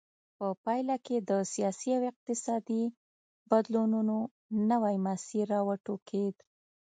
په پایله کې د سیاسي او اقتصادي بدلونونو نوی مسیر را وټوکېد.